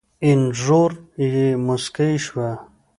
اينږور يې موسکۍ شوه.